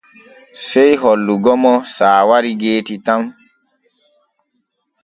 Sey hollugo mo saawari geeti tan.